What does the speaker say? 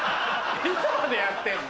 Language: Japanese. いつまでやってんの？